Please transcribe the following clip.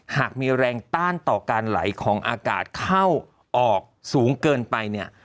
หากมีแรงต้านต่อการไหลของอากาศเข้าออกสูงเกินไปเนี่ย